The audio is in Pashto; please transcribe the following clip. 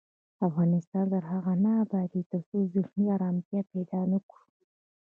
افغانستان تر هغو نه ابادیږي، ترڅو ذهني ارامتیا پیدا نکړو.